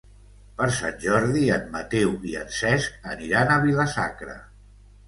Per Sant Jordi en Mateu i en Cesc aniran a Vila-sacra.